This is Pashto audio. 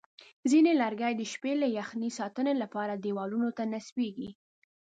ځینې لرګي د شپې له یخنۍ ساتنې لپاره دیوالونو ته نصبېږي.